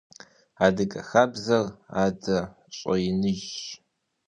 Адыгэ хабзэр адэ щӀэиныжьщ.